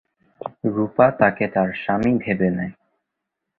রূপা তাকে তার স্বামী ভেবে নেয়।